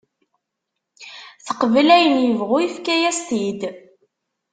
Teqbel ayen yebɣu yefka-as-t-id.